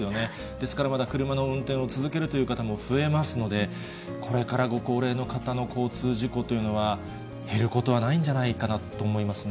ですから、まだ車の運転を続けるという方も増えますので、これからご高齢の方の交通事故というのは、減ることはないんじゃないかなと思いますね。